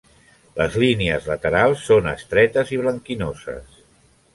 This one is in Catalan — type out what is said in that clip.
Les línies laterals són estretes i blanquinoses.